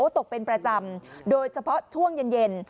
ตกเป็นประจำโดยเฉพาะช่วงเย็น